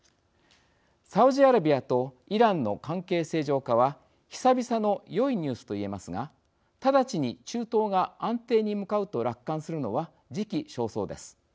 サウジアラビアとイランの関係正常化は久々のよいニュースと言えますが直ちに中東が安定に向かうと楽観するのは時期尚早です。